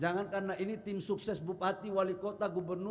jangan karena ini tim sukses bupati wali kota gubernur